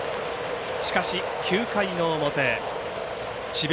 しかし９回の表智弁